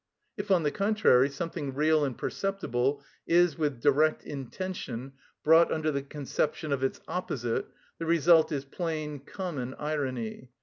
If, on the contrary, something real and perceptible is, with direct intention, brought under the conception of its opposite, the result is plain, common irony.